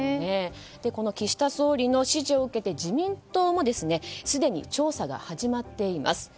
この岸田総理の指示を受けて自民党もすでに調査が始まっています。